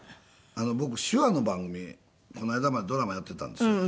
僕手話の番組この間までドラマやっていたんですよ